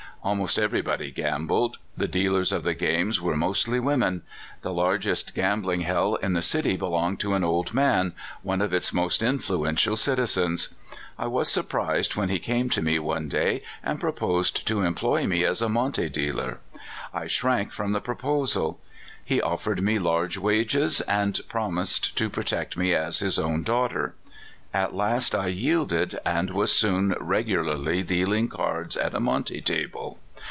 Almost everybody gambled. The dealers of the games were mostly Avomen. The largest gambling hell in the city belonged to an old man, one of its most influential citizens. I was surprised when he came to me one day and proposed to employ me as a monte dealer. I shrank from the proposal. He offered me large wages, and prom ised to protect me as his own daughter. At last I yielded, and was soon regularly dealing cards at a monte table.